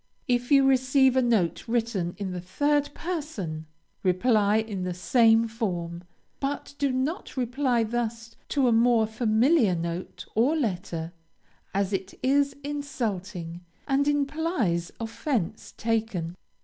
If you receive a note written in the third person, reply in the same form, but do not reply thus to a more familiar note or letter, as it is insulting, and implies offence taken.